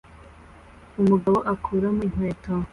Umugabo akuramo inkweto